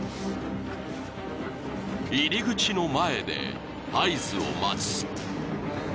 ［入り口の前で合図を待つ］